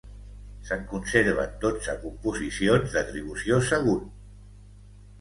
Se'n conserven dotze composicions d'atribució segura.